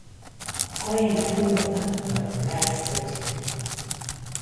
Kuena fɨnotatɨmakɨ naie kuellena